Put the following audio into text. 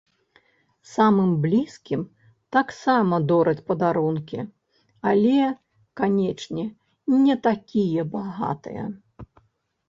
Самым блізкім таксама дораць падарункі, але, канечне, не такія багатыя.